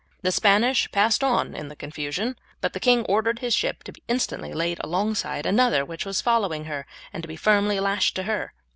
The Spanish passed on in the confusion, but the king ordered his ship to be instantly laid alongside another which was following her, and to be firmly lashed to her.